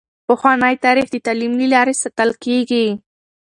پخوانی تاریخ د تعلیم له لارې ساتل کیږي.